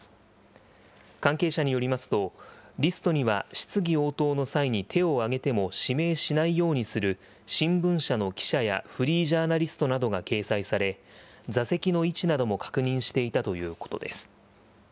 関係者によりますと、リストには質疑応答の際に手を挙げても指名しないようにする新聞社の記者やフリージャーナリストなどが掲載され、座席の位置なども確認していたということです。